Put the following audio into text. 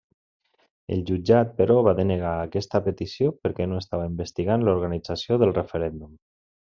El jutjat, però, va denegar aquesta petició perquè no estava investigant l'organització del referèndum.